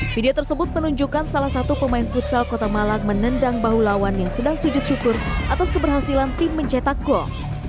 video tersebut menunjukkan salah satu pemain futsal kota malang menendang bahu lawan yang sedang sujud syukur atas keberhasilan tim mencetak gol